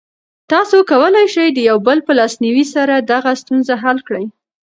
تاسو کولی شئ د یو بل په لاسنیوي سره دغه ستونزه حل کړئ.